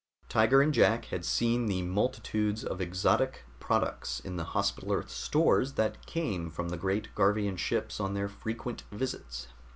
Tiger and Jack had seen the multitudes of exotic products in the Hospital Earth stores that came from the great Garvian ships on their frequent visits.